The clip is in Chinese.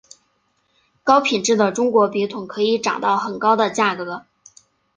高品质的中国笔筒可以涨到很高的价格。